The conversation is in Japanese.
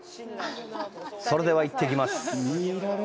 それでは行ってきます！